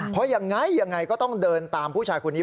เพราะอย่างไรก็ต้องเดินตามผู้ชายคนนี้